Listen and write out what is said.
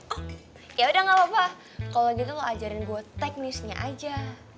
oh ya udah ga apa apa kalo gitu lo ajarin gue teknisnya aja